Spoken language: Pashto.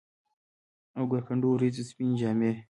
اوکر کنډو ، وریځو سپيني جامې